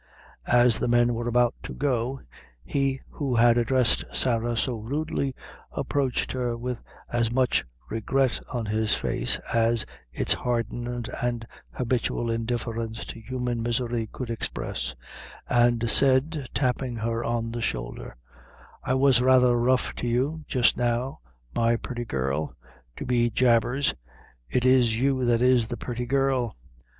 As the men were about to go, he who had addressed Sarah so rudely, approached her with as much regret on his face as its hardened and habitual indifference to human misery could express, and said, tapping her on the shoulder: "I was rather rough to you, jist now, my purty girl to' be jabers, it' is you that is the purty girl.